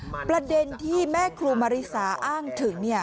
ประเด็นที่แม่ครูมาริสาอ้างถึง